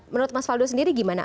menurut mas faldo sendiri gimana